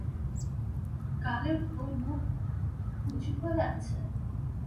গালের হনু উচু হয়ে আছে।